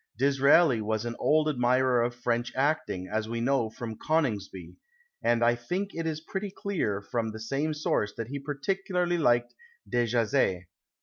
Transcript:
Disraeli was an old admirer of French acting, as we know from " Coningsby,"' and I think it is pretty clear from the same source that he particularly liked Dejazet.